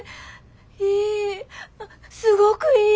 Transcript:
いいすごくいい！